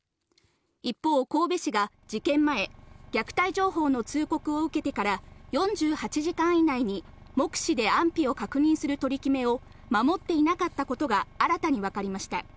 一方、神戸市が事件前、虐待情報の通告を受けてから４８時間以内に目視で安否を確認する取り決めを守っていなかったことが新たにわかりました。